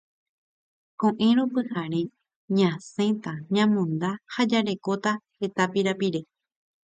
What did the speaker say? Ko'ẽrõ pyhare ñasẽta ñamonda ha jarekóta heta pirapire